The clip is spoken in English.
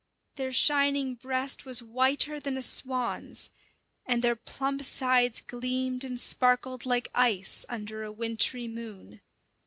Their shining breast was whiter than a swan's, and their plump sides gleamed and sparkled like ice under a wintry moon.